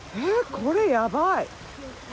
これやばい。